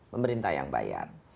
pemerintah yang bayar